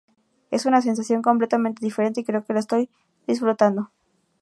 Es una sensación completamente diferente y creo que lo estoy disfrutando.